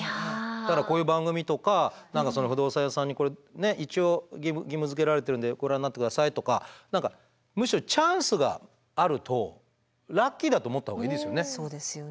こういう番組とか何かその不動産屋さんに一応義務づけられてるんでご覧なってくださいとか何かむしろチャンスがあるとラッキーだと思った方がいいですよね。